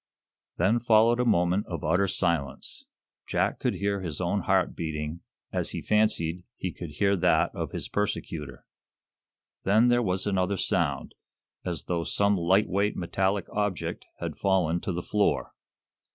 Then followed a moment of utter silence. Jack could hear his own heart beating, as he fancied he could hear that of his persecutor. Then there was another sound, as though some light weight metallic object had fallen to the floor.